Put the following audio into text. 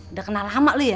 udah kenal lama lu ya